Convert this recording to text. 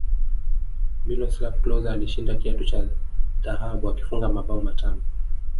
miloslav klose alishinda kiatu cha dhahabu akifunga mabao matano